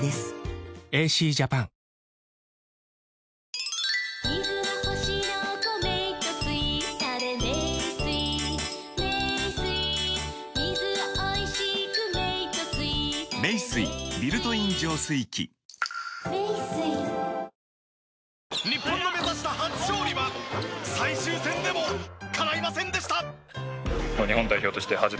わかるぞ日本の目指した初勝利は最終戦でもかないませんでした。